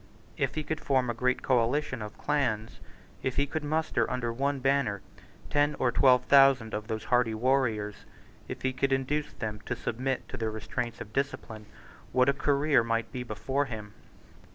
If he could form a great coalition of clans, if he could muster under one banner ten or twelve thousand of those hardy warriors, if he could induce them to submit to the restraints of discipline, what a career might be before him!